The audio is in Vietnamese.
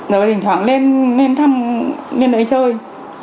rồi thỉnh thoảng lên thăm lên đời chơi